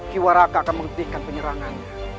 ki waraka akan menghentikan penyerangannya